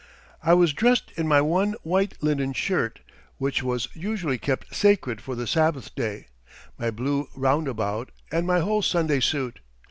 I was dressed in my one white linen shirt, which was usually kept sacred for the Sabbath day, my blue round about, and my whole Sunday suit.